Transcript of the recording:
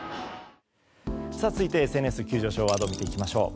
続いてＳＮＳ急上昇ワードを見ていきましょう。